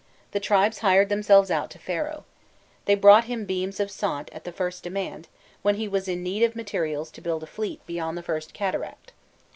The tribes hired themselves out to Pharaoh. They brought him beams of "sont" at the first demand, when he was in need of materials to build a fleet beyond the first cataract.